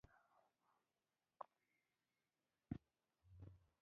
راځئ دننه چای وسکئ.